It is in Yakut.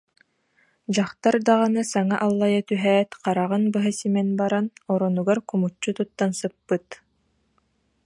Дьахтар даҕаны саҥа аллайа түһээт, хараҕын быһа симэн баран, оронугар кумуччу туттан сыппыт